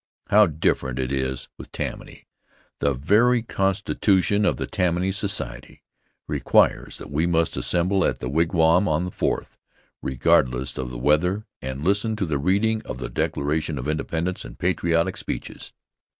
How different it is with Tammany! The very constitution of the Tammany Society requires that we must assemble at the wigwam on the Fourth, regardless of the weather, and listen to the readin' of the Declaration of Independence and patriotic speeches.